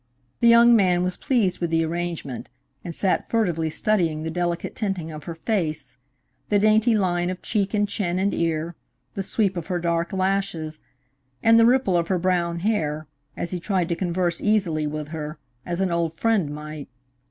The young man was pleased with the arrangement, and sat furtively studying the delicate tinting of her face, the dainty line of cheek and chin and ear, the sweep of her dark lashes, and the ripple of her brown hair, as he tried to converse easily with her, as an old friend might.